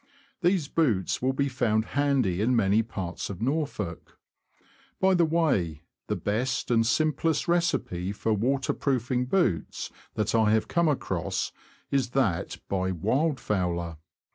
These boots will be found handy in many parts of Norfolk. By the way, the best and simplest recipe for waterproofing boots that I have come across is that by '^ Wildfowler."